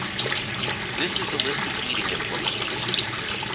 This is a list of eating implements.